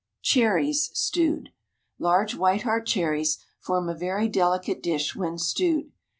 CHERRIES, STEWED. Large white heart cherries form a very delicate dish when stewed.